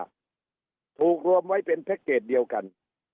ถูกรวมไว้เป็นแพ็คเกจเดียวกัน